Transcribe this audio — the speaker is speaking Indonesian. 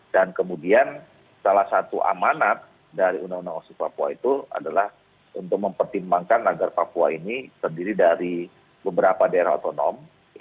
dan kemudian salah satu amanat dari undang undang otsus papua itu adalah untuk mempertimbangkan agar papua ini terdiri dari beberapa daerah otonom